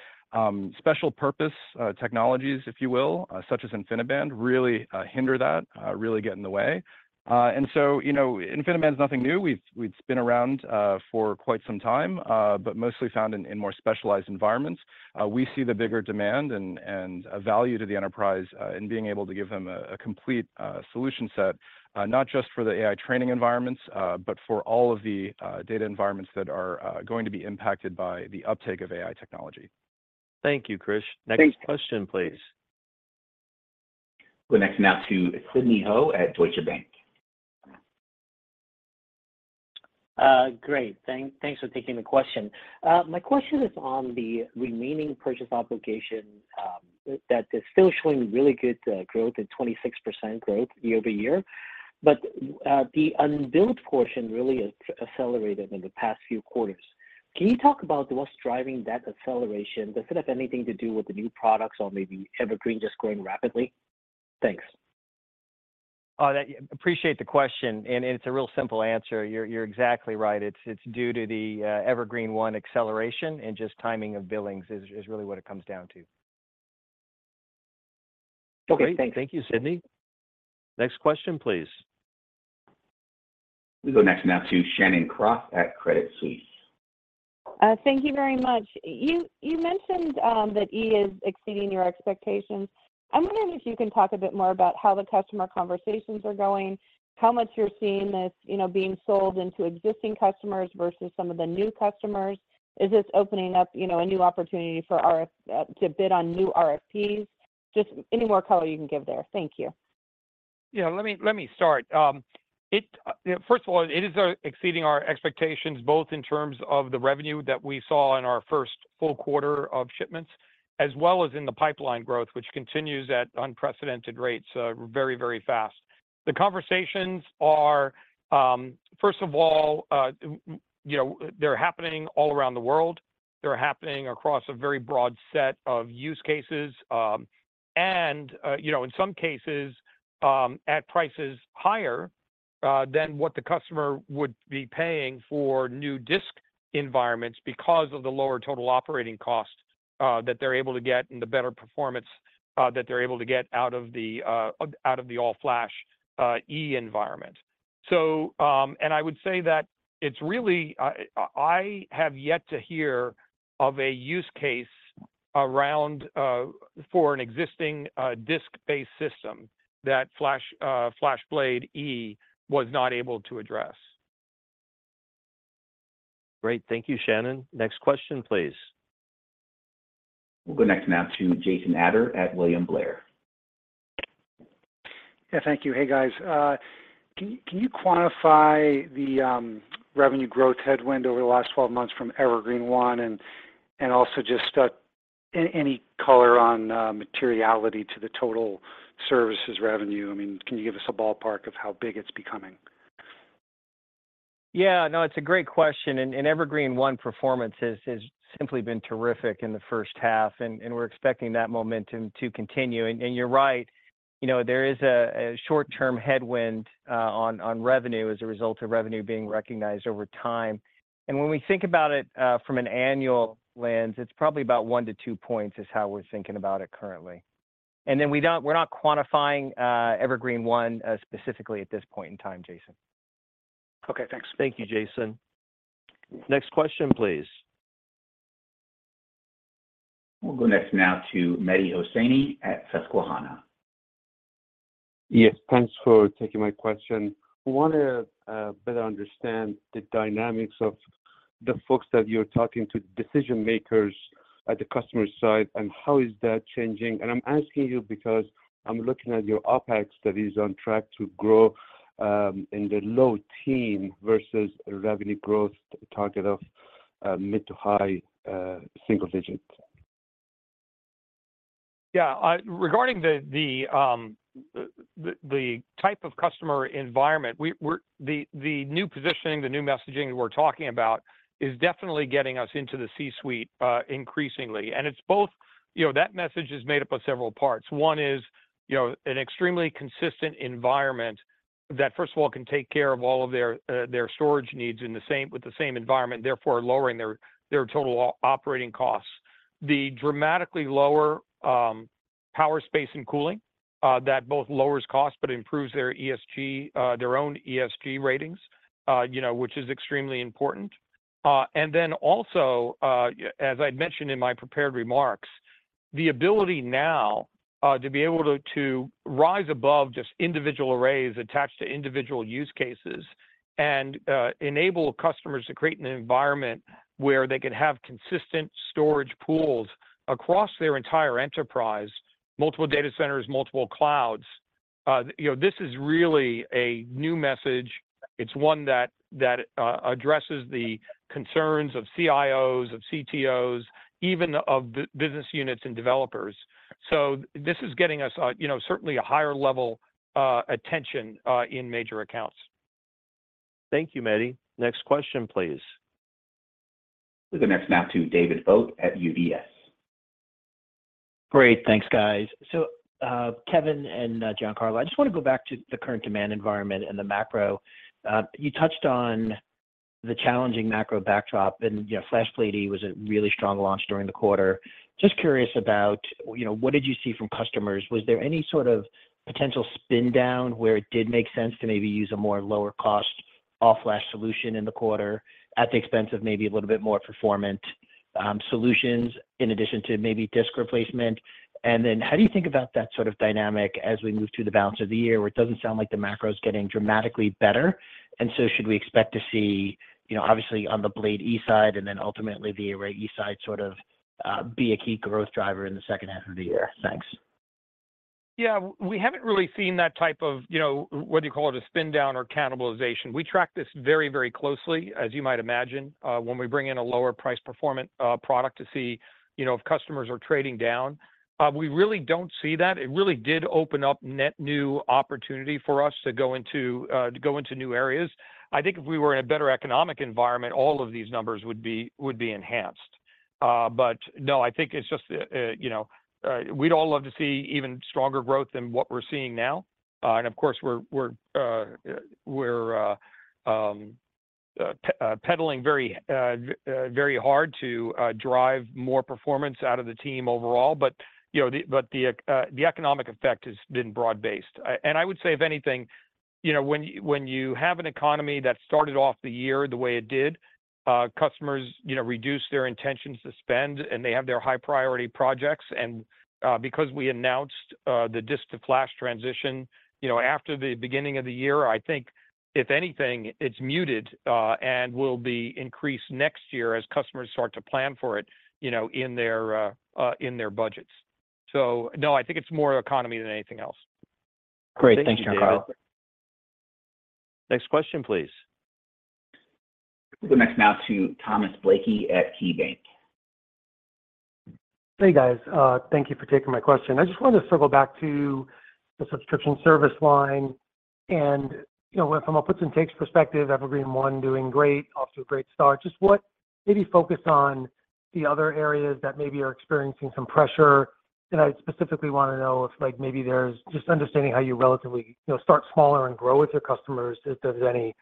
Speaker 6: special purpose technologies, if you will, such as InfiniBand, really hinder that, really get in the way. And so, you know, InfiniBand is nothing new. We've been around for quite some time, but mostly found in more specialized environments. We see the bigger demand and a value to the enterprise, in being able to give them a complete solution set, not just for the AI training environments, but for all of the data environments that are going to be impacted by the uptake of AI technology.
Speaker 2: Thank you, Krish.
Speaker 11: Thank you.
Speaker 2: Next question, please.
Speaker 1: The next now to Sidney Ho at Deutsche Bank.
Speaker 12: Great. Thanks for taking the question. My question is on the remaining purchase obligation that is still showing really good growth and 26% growth year-over-year, but the unbilled portion really has accelerated in the past few quarters. Can you talk about what's driving that acceleration? Does it have anything to do with the new products or maybe Evergreen just growing rapidly? Thanks.
Speaker 3: Oh, appreciate the question, and it's a real simple answer. You're exactly right. It's due to the Evergreen//One acceleration and just timing of billings is really what it comes down to.
Speaker 2: Great. Thank you, Sidney. Next question, please.
Speaker 1: We go next now to Shannon Cross at Credit Suisse.
Speaker 13: Thank you very much. You, you mentioned that E is exceeding your expectations. I'm wondering if you can talk a bit more about how the customer conversations are going, how much you're seeing this, you know, being sold into existing customers versus some of the new customers. Is this opening up, you know, a new opportunity for RFP to bid on new RFPs? Just any more color you can give there. Thank you.
Speaker 3: Yeah, let me start. First of all, it is exceeding our expectations, both in terms of the revenue that we saw in our first full quarter of shipments, as well as in the pipeline growth, which continues at unprecedented rates, very, very fast. The conversations are. First of all, you know, they're happening all around the world. They're happening across a very broad set of use cases, and, you know, in some cases, at prices higher than what the customer would be paying for new disk environments because of the lower total operating cost that they're able to get and the better performance that they're able to get out of the all-flash E environment. So, I would say that it's really. I have yet to hear of a use case for an existing disk-based system that FlashBlade//E was not able to address.
Speaker 2: Great. Thank you, Shannon. Next question, please.
Speaker 1: We'll go next now to Jason Ader at William Blair.
Speaker 14: Yeah, thank you. Hey, guys. Can you quantify the revenue growth headwind over the last 12 months from Evergreen//One? And also just any color on materiality to the total services revenue. I mean, can you give us a ballpark of how big it's becoming?
Speaker 3: Yeah, no, it's a great question, and Evergreen//One performance has simply been terrific in the first half, and we're expecting that momentum to continue. And you're right, you know, there is a short-term headwind on revenue as a result of revenue being recognized over time. And when we think about it from an annual lens, it's probably about one to two points, is how we're thinking about it currently. And then, we're not quantifying Evergreen//One specifically at this point in time, Jason.
Speaker 14: Okay, thanks.
Speaker 2: Thank you, Jason. Next question, please.
Speaker 1: We'll go next now to Mehdi Hosseini at Susquehanna.
Speaker 15: Yes, thanks for taking my question. I want to better understand the dynamics of the folks that you're talking to, decision-makers at the customer side, and how is that changing? I'm asking you because I'm looking at your OpEx that is on track to grow in the low teens versus a revenue growth target of mid- to high-single-digit.
Speaker 3: Yeah, regarding the type of customer environment, the new positioning, the new messaging we're talking about is definitely getting us into the C-suite, increasingly, and it's both. You know, that message is made up of several parts. One is, you know, an extremely consistent environment that, first of all, can take care of all of their storage needs with the same environment, therefore lowering their total operating costs. The dramatically lower power, space, and cooling that both lowers cost but improves their own ESG ratings, you know, which is extremely important. And then also, as I'd mentioned in my prepared remarks, the ability now to be able to rise above just individual arrays attached to individual use cases and enable customers to create an environment where they can have consistent storage pools across their entire enterprise, multiple data centers, multiple clouds. You know, this is really a new message. It's one that addresses the concerns of CIOs, of CTOs, even of business units and developers. So this is getting us, you know, certainly a higher level attention in major accounts.
Speaker 2: Thank you, Mehdi. Next question, please.
Speaker 1: We'll go next now to David Vogt at UBS.
Speaker 16: Great. Thanks, guys. So, Kevan and Giancarlo, I just want to go back to the current demand environment and the macro. You touched on the challenging macro backdrop and, you know, FlashBlade//E was a really strong launch during the quarter. Just curious about, you know, what did you see from customers? Was there any sort of potential spin down where it did make sense to maybe use a more lower-cost all-flash solution in the quarter at the expense of maybe a little bit more performant solutions, in addition to maybe disk replacement? And then, how do you think about that sort of dynamic as we move through the balance of the year, where it doesn't sound like the macro is getting dramatically better? So should we expect to see, you know, obviously on the FlashBlade//E side, and then ultimately the FlashArray//E side, sort of, be a key growth driver in the second half of the year? Thanks.
Speaker 3: Yeah, we haven't really seen that type of, you know, whether you call it a spin down or cannibalization. We track this very, very closely, as you might imagine, when we bring in a lower price performance product to see, you know, if customers are trading down. We really don't see that. It really did open up net new opportunity for us to go into new areas. I think if we were in a better economic environment, all of these numbers would be, would be enhanced. But no, I think it's just, you know, we'd all love to see even stronger growth than what we're seeing now. And of course, we're peddling very hard to drive more performance out of the team overall. But, you know, but the economic effect has been broad-based. And I would say, if anything, you know, when you have an economy that started off the year the way it did, customers, you know, reduced their intentions to spend, and they have their high-priority projects. And, because we announced the disk-to-flash transition, you know, after the beginning of the year, I think if anything, it's muted, and will be increased next year as customers start to plan for it, you know, in their budgets. So no, I think it's more economy than anything else.
Speaker 16: Great. Thanks, John David.
Speaker 2: Next question, please.
Speaker 1: We'll go next now to Thomas Blakey at KeyBanc.
Speaker 17: Hey, guys. Thank you for taking my question. I just wanted to circle back to the subscription service line, and, you know, from a puts and takes perspective, Evergreen//One, doing great, off to a great start. Just maybe focus on the other areas that maybe are experiencing some pressure, and I specifically want to know if, like, maybe there's just understanding how you relatively, you know, start smaller and grow with your customers. If there's any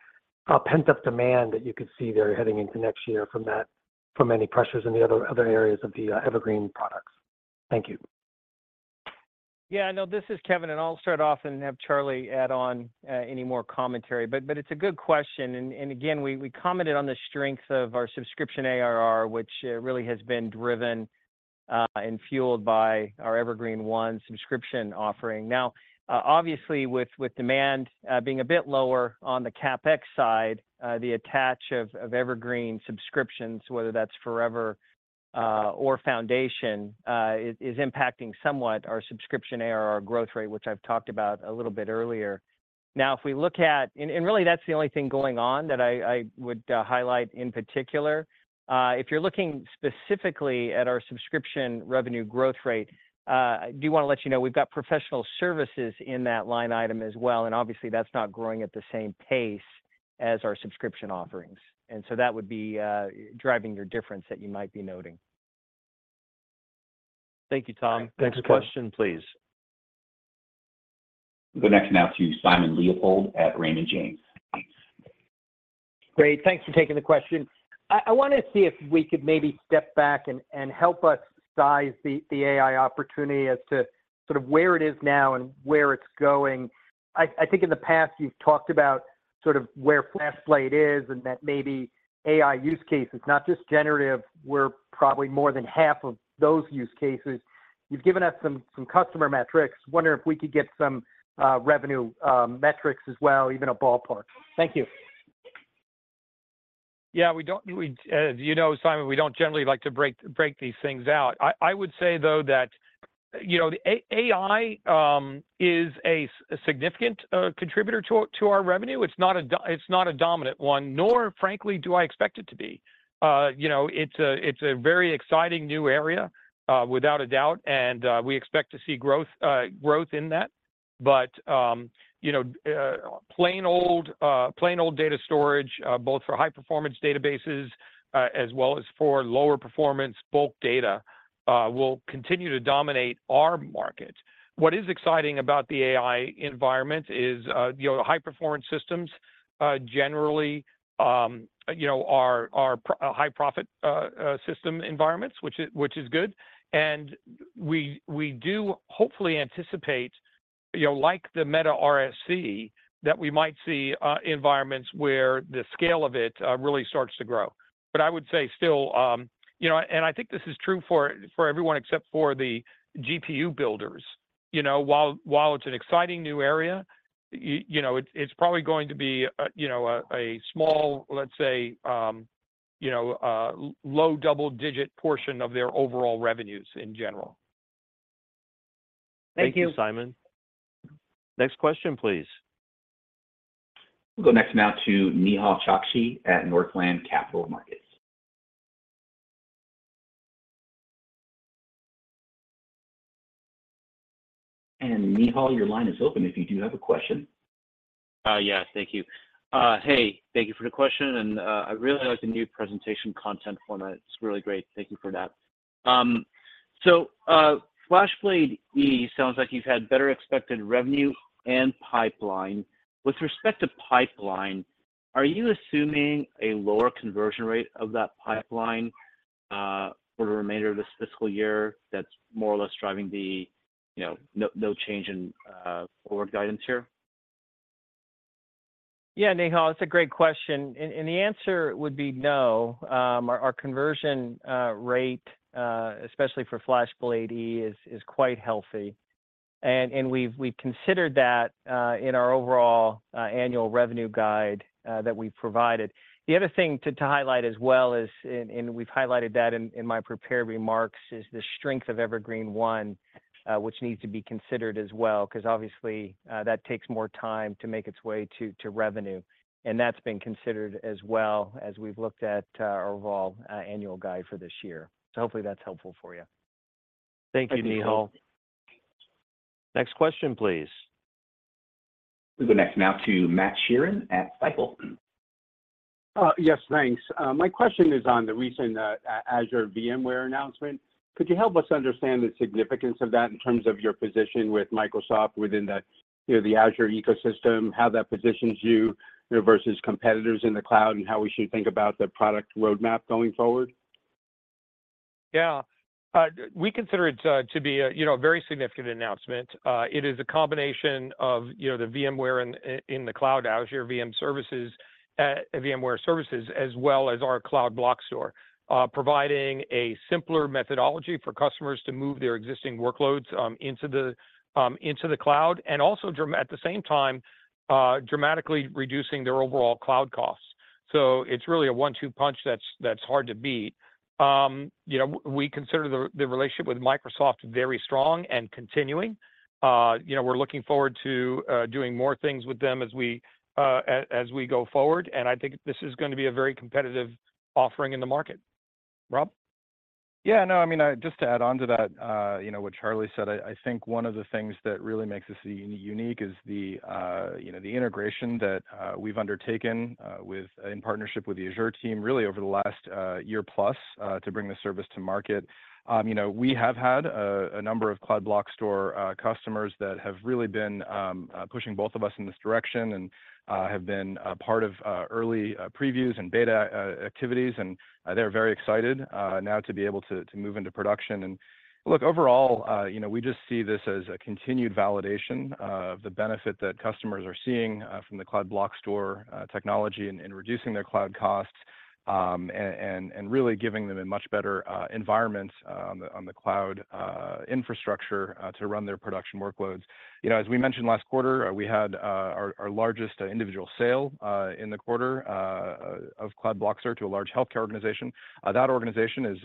Speaker 17: pent-up demand that you could see there heading into next year from that, from any pressures in the other areas of the Evergreen products. Thank you.
Speaker 4: Yeah, no, this is Kevan, and I'll start off and have Charlie add on any more commentary. But it's a good question, and again, we commented on the strength of our subscription ARR, which really has been driven and fueled by our Evergreen//One subscription offering. Now, obviously, with demand being a bit lower on the CapEx side, the attach of Evergreen subscriptions, whether that's Forever or Foundation, is impacting somewhat our subscription ARR growth rate, which I've talked about a little bit earlier. Now, if we look at... And really, that's the only thing going on that I would highlight in particular. If you're looking specifically at our subscription revenue growth rate, I do want to let you know we've got professional services in that line item as well, and obviously, that's not growing at the same pace as our subscription offerings, and so that would be driving your difference that you might be noting.
Speaker 2: Thank you, Tom. Next question, please.
Speaker 1: We'll go next now to Simon Leopold at Raymond James.
Speaker 18: Great. Thanks for taking the question. I want to see if we could maybe step back and help us size the AI opportunity as to sort of where it is now and where it's going. I think in the past, you've talked about sort of where FlashBlade is, and that maybe AI use cases, not just generative, were probably more than half of those use cases. You've given us some customer metrics. Wondering if we could get some revenue metrics as well, even a ballpark. Thank you.
Speaker 3: Yeah, we, as you know, Simon, we don't generally like to break these things out. I would say, though, that, you know, AI is a significant contributor to our revenue. It's not a dominant one, nor frankly, do I expect it to be. You know, it's a very exciting new area without a doubt, and we expect to see growth in that. But, you know, plain old data storage, both for high-performance databases, as well as for lower performance bulk data, will continue to dominate our market. What is exciting about the AI environment is, you know, high-performance systems generally are high-profit system environments, which is good. We do hopefully anticipate, you know, like the Meta RSC, that we might see environments where the scale of it really starts to grow. But I would say still, you know, and I think this is true for everyone except for the GPU builders. You know, while it's an exciting new area, you know, it's probably going to be a small, let's say, you know, low double-digit portion of their overall revenues in general.
Speaker 18: Thank you.
Speaker 2: Thank you, Simon. Next question, please.
Speaker 1: We'll go next now to Nehal Chokshi at Northland Capital Markets. Nehal, your line is open if you do have a question.
Speaker 19: Yeah. Thank you. Hey, thank you for the question, and I really like the new presentation content format. It's really great. Thank you for that. So, FlashBlade//E sounds like you've had better expected revenue and pipeline. With respect to pipeline, are you assuming a lower conversion rate of that pipeline for the remainder of this fiscal year, that's more or less driving the, you know, no, no change in forward guidance here?
Speaker 3: Yeah, Nehal, it's a great question, and the answer would be no. Our conversion rate, especially for FlashBlade//E, is quite healthy. And we've considered that in our overall annual revenue guide that we've provided. The other thing to highlight as well is, and we've highlighted that in my prepared remarks, is the strength of Evergreen//One, which needs to be considered as well, 'cause obviously that takes more time to make its way to revenue, and that's been considered as well as we've looked at our overall annual guide for this year. So hopefully that's helpful for you.
Speaker 2: Thank you, Nehal. Next question, please.
Speaker 1: We go next now to Matt Sheerin at Citi.
Speaker 20: Yes, thanks. My question is on the recent Azure VMware announcement. Could you help us understand the significance of that in terms of your position with Microsoft within the, you know, the Azure ecosystem, how that positions you, you know, versus competitors in the cloud, and how we should think about the product roadmap going forward?
Speaker 3: Yeah, we consider it to be a, you know, very significant announcement. It is a combination of, you know, the VMware in the cloud, Azure VMware services, as well as our Cloud Block Store, providing a simpler methodology for customers to move their existing workloads into the cloud, and also dramatically reducing their overall cloud costs. So it's really a one-two punch that's hard to beat. You know, we consider the relationship with Microsoft very strong and continuing. You know, we're looking forward to doing more things with them as we go forward, and I think this is going to be a very competitive offering in the market. Rob?
Speaker 6: Yeah, no, I mean, just to add on to that, you know, what Charlie said, I think one of the things that really makes us unique is the, you know, the integration that we've undertaken with, in partnership with the Azure team, really over the last year plus, to bring this service to market. You know, we have had a number of Cloud Block Store customers that have really been pushing both of us in this direction and have been a part of early previews and beta activities, and they're very excited now to be able to move into production. And look, overall, you know, we just see this as a continued validation of the benefit that customers are seeing from the Cloud Block Store technology in reducing their cloud costs, and really giving them a much better environment on the cloud infrastructure to run their production workloads. You know, as we mentioned last quarter, we had our largest individual sale in the quarter of Cloud Block Store to a large healthcare organization. That organization is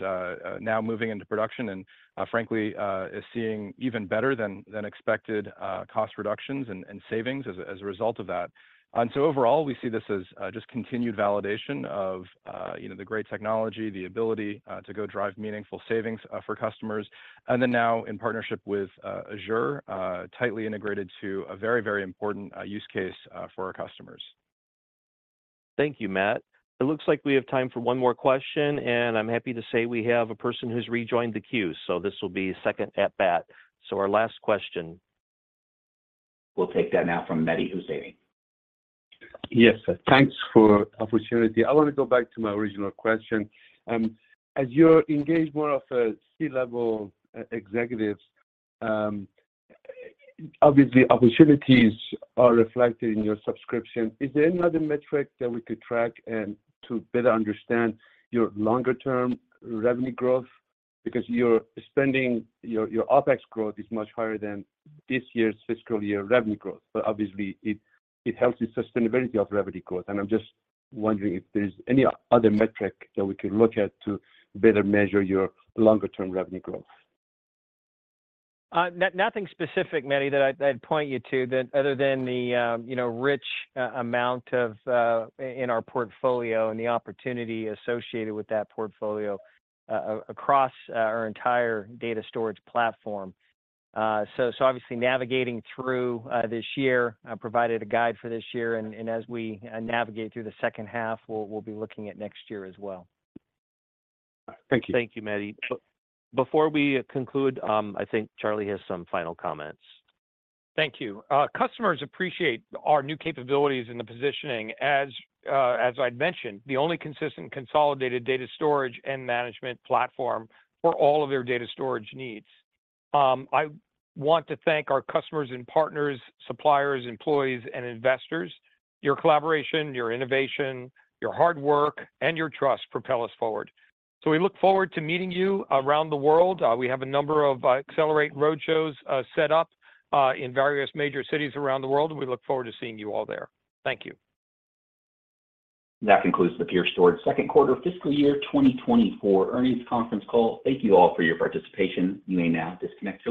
Speaker 6: now moving into production, and frankly, is seeing even better than expected cost reductions and savings as a result of that. Overall, we see this as just continued validation of, you know, the great technology, the ability to go drive meaningful savings for customers, and then now in partnership with Azure, tightly integrated to a very, very important use case for our customers.
Speaker 2: Thank you, Matt. It looks like we have time for one more question, and I'm happy to say we have a person who's rejoined the queue, so this will be second at bat. So our last question.
Speaker 1: We'll take that now from Mehdi Hosseini.
Speaker 15: Yes, thanks for opportunity. I want to go back to my original question. As you engage more of a C-level executive, obviously, opportunities are reflected in your subscription. Is there any other metric that we could track and to better understand your longer-term revenue growth? Because you're spending, your OpEx growth is much higher than this year's fiscal year revenue growth, but obviously, it helps the sustainability of revenue growth, and I'm just wondering if there's any other metric that we could look at to better measure your longer-term revenue growth.
Speaker 4: Nothing specific, Mehdi, that I'd point you to other than the, you know, rich amount of in our portfolio and the opportunity associated with that portfolio across our entire data storage platform. So obviously navigating through this year provided a guide for this year, and as we navigate through the second half, we'll be looking at next year as well.
Speaker 15: Thank you.
Speaker 2: Thank you, Mehdi. Before we conclude, I think Charlie has some final comments.
Speaker 3: Thank you. Customers appreciate our new capabilities and the positioning. As, as I'd mentioned, the only consistent consolidated data storage and management platform for all of their data storage needs. I want to thank our customers and partners, suppliers, employees, and investors. Your collaboration, your innovation, your hard work, and your trust propel us forward. So we look forward to meeting you around the world. We have a number of Accelerate roadshows set up in various major cities around the world. We look forward to seeing you all there. Thank you.
Speaker 1: That concludes the Pure Storage second quarter fiscal year 2024 earnings conference call. Thank you all for your participation. You may now disconnect your lines.